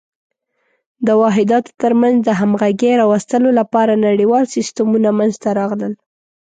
د واحداتو تر منځ د همغږۍ راوستلو لپاره نړیوال سیسټمونه منځته راغلل.